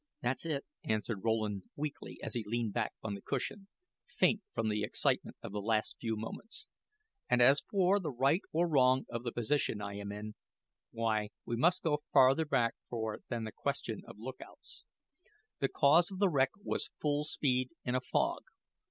"That's it," answered Rowland, weakly, as he leaned back on the cushion, faint from the excitement of the last few moments. "And as for the right or wrong of the position I am in why, we must go farther back for it than the question of lookouts. The cause of the wreck was full speed in a fog.